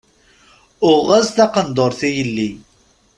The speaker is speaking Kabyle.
Uɣeɣ-as-d taqendurt i yelli.